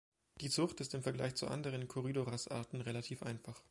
Die Zucht ist im Vergleich zu anderen "Corydoras"-Arten relativ einfach.